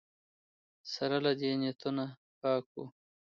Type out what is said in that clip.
سره له دې نیتونه پاک وو